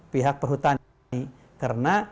pihak perhutani karena